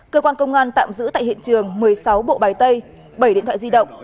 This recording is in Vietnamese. cơ quan công an tạm giữ tại hiện trường một mươi sáu bộ bài tay bảy điện thoại di động